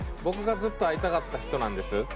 僕がずっと会いたかった人なんです。